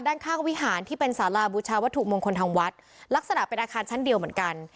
ด้านข้างวิหารที่เป็นสาราบูชาวัตถุมงคลทางวัดลักษณะเป็นอาคารชั้นเดียวเหมือนกัน